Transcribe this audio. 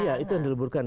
iya itu yang dileburkan